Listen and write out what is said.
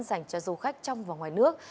dành cho du khách trong và ngoài nước